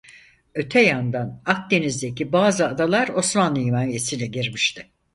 Öte yandan Akdeniz'deki bazı adalar Osmanlı himayesine girmişti.